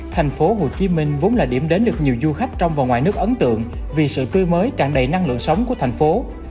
tp hcm vốn là điểm đến được nhiều du khách trong và ngoài nước ấn tượng vì sự tươi mới tràn đầy năng lượng sống của thành phố